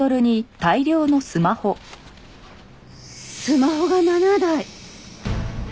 スマホが７台！